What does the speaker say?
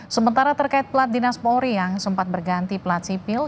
sementara terkait plat dinas polri yang sempat berganti plat simpan